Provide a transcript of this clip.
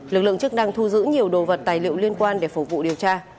lực lượng chức năng thu giữ nhiều đồ vật tài liệu liên quan để phục vụ điều tra